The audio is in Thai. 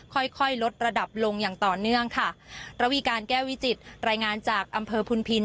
ค่อยค่อยลดระดับลงอย่างต่อเนื่องค่ะระวีการแก้ววิจิตรายงานจากอำเภอพุนพิน